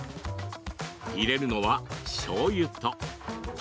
入れるのは、しょうゆと。